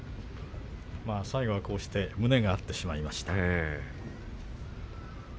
最後は胸が合ってしまいました。